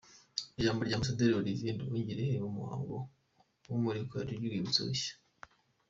Ijambo rya Ambasaderi Olivier Nduhungirehe mu muhango w’imurikwa ry’urwibutso rushya:.